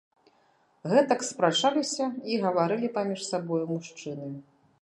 Гэтак спрачаліся і гаварылі паміж сабою мужчыны.